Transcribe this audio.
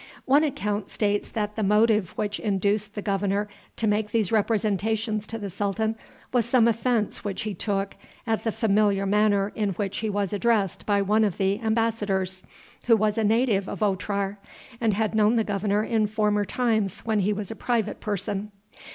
One account states that the motive which induced the governor to make these representations to the sultan was some offense which he took at the familiar manner in which he was addressed by one of the embassadors, who was a native of Otrar, and had known the governor in former times when he was a private person.